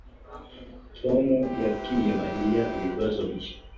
Tom yabwiye Mariya ibibazo bye.